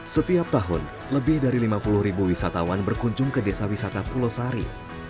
setiap tahun lebih dari lima puluh ribu wisatawan berkunjung ke desa wisata pulau sari